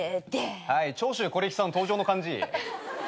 はい長州小力さん登場の感じ。